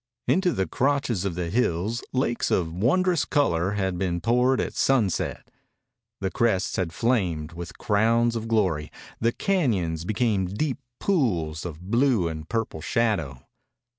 Into the crotches of the hills lakes of wondrous color had been poured at sunset. The crests had flamed with crowns of glory, the cañons become deep pools of blue and purple shadow.